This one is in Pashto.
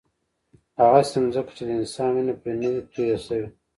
هغسې ځمکه چې د انسان وینه پرې نه وي تویه شوې.